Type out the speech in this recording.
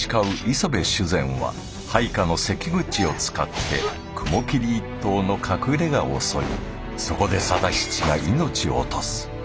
磯部主膳は配下の関口を使って雲霧一党の隠れがを襲いそこで定七が命を落とす。